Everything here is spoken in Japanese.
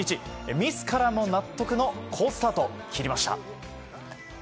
自らも納得の好スタートを切りました。